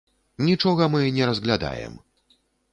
Нічога мы не разглядаем.